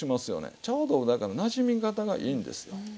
ちょうどだからなじみ方がいいんですよ。